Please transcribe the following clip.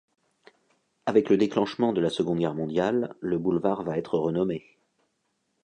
Avec le déclenchement de la Seconde Guerre mondiale, le boulevard va être renommé.